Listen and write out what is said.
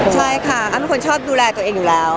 ใช่ค่ะทุกคนชอบดูแลตัวเองอยู่แล้ว